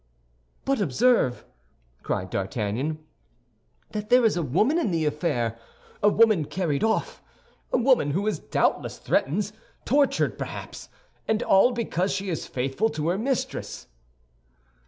"But observe," cried D'Artagnan, "that there is a woman in the affair—a woman carried off, a woman who is doubtless threatened, tortured perhaps, and all because she is faithful to her mistress."